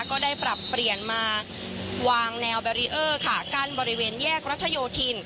ก็ได้ปรับเปลี่ยนมาวางแนวแบรีเออร์ค่ะกั้นบริเวณแยกรัชโยธิน